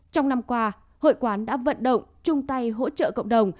trong năm qua hội quán đã vận động chung tay hỗ trợ cộng đồng